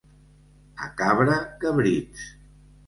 A Cabra, cabrits.